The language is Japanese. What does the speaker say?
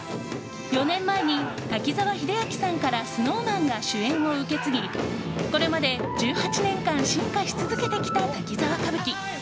４年前に滝沢秀明さんからＳｎｏｗＭａｎが主演を受け継ぎこれまで、１８年間進化し続けてきた「滝沢歌舞伎」。